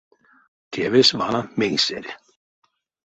Тевесь вана мейсэль.